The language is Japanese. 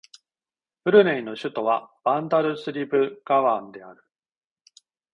ブルネイの首都はバンダルスリブガワンである